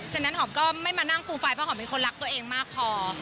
ฉะนั้นหอมก็ไม่มานั่งฟูมไฟเพราะหอมเป็นคนรักตัวเองมากพอ